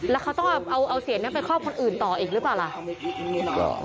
แล้วเขาต้องเอาเสียงนั้นไปครอบคนอื่นต่ออีกหรือเปล่าล่ะ